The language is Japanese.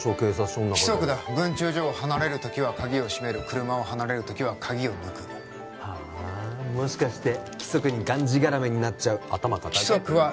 警察署の中に規則だ分駐所を離れる時は鍵を閉める車を離れる時は鍵を抜くはあもしかして規則にがんじがらめになっちゃう頭固いタイプ？